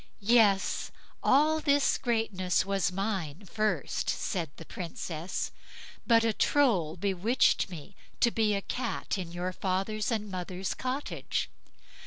"Yes! all this greatness was mine first", said the Princess, "but a Troll bewitched me to be a Cat in your father's and mother's cottage.